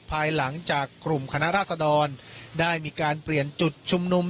ภายหลังจากกลุ่มคณะราษดรได้มีการเปลี่ยนจุดชุมนุม